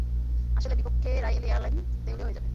আসলে, বিপক্ষে রায় হলে এয়ারলাইন দেউলিয়া হয়ে যাবে।